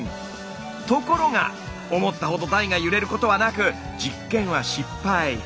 ところが思ったほど台が揺れることはなく実験は失敗。